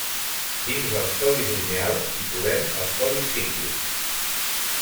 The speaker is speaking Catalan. Dins dels codis lineals hi trobem els codis cíclics.